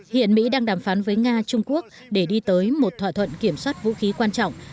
hiện mỹ đang đàm phán với nga trung quốc để đi tới một thỏa thuận kiểm soát vũ khí quan trọng